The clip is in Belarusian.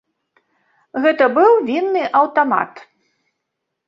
Гэта быў вінны аўтамат.